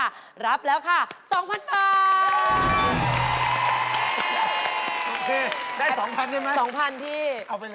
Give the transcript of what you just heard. เอาไปเลยโอเคเอาไปเลยพี่ทงนี่